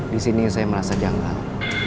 di sini saya merasa janggal